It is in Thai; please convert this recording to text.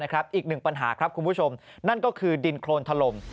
อีกหนึ่งปัญหาครับคุณผู้ชมนั่นก็คือดินโครนถล่ม